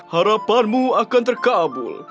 harapanmu akan terkabul